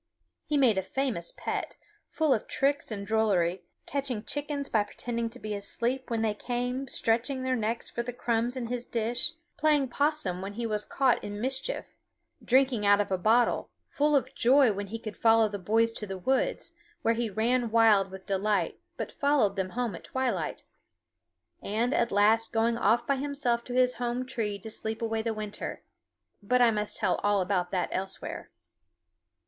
He made a famous pet, full of tricks and drollery, catching chickens by pretending to be asleep when they came stretching their necks for the crumbs in his dish, playing possum when he was caught in mischief, drinking out of a bottle, full of joy when he could follow the boys to the woods, where he ran wild with delight but followed them home at twilight, and at last going off by himself to his home tree to sleep away the winter but I must tell about all that elsewhere.